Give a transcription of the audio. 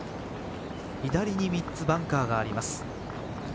左に３つバンカーがあります。